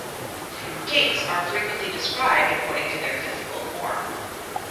Cakes are frequently described according to their physical form.